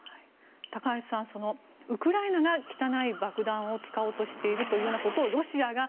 高橋さん、ウクライナが汚い爆弾を使おうとしているということをロシアが。